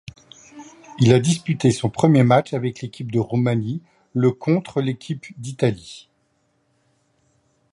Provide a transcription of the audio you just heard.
Il a disputé son premier match avec l'équipe de Roumanie le contre l'équipe d'Italie.